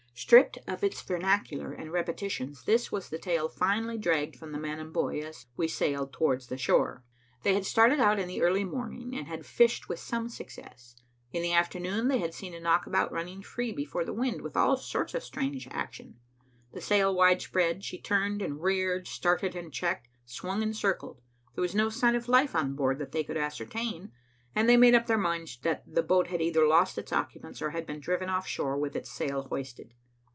Stripped of its vernacular and repetitions, this was the tale finally dragged from the man and boy, as we sailed towards the shore. They had started out in the early morning and had fished with some success. In the afternoon, they had seen a knockabout running free before the wind, with all sorts of strange action. The sail widespread, she turned and reared, started and checked, swung and circled. There was no sign of life on board that they could ascertain, and they made up their minds that the boat had either lost its occupants or had been driven offshore with its sail hoisted.